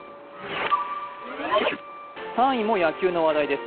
３位も野球の話題です。